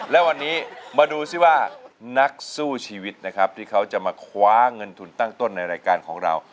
และวันนี้มาดูซิว่านักสู้ชีวิตนะครับที่เขาจะมาคว้าเงินทุนตั้งต้นในรายการของเรา